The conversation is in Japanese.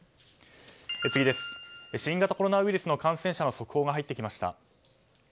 新型コロナウイルスの感染者の速報が入ってきました。